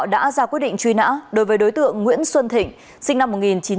đã ra quyết định truy lã đối với đối tượng nguyễn xuân thịnh sinh năm một nghìn chín trăm bảy mươi bảy